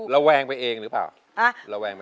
ระแวงไปเองหรือเปล่า